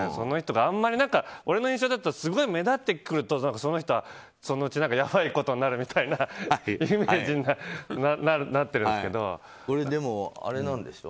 俺の印象だとすごい目立ってくると、その人はそのうちやばいことになるみたいなイメージになってるんですけど。